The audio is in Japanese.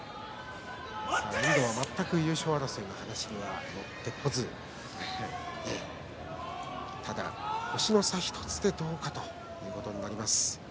遠藤は全く優勝争いの話には乗ってこずただ星の差１つでどうかということになります。